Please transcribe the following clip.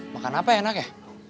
makan apa enak ya